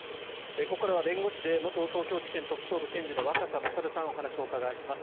ここからは弁護士で元東京地検特捜部検事の若狭勝さんお話をお伺いします。